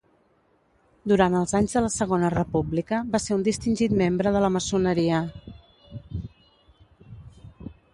Durant els anys de la Segona República va ser un distingit membre de la maçoneria.